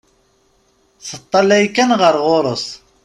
Teṭṭalay kan ɣer ɣur-s.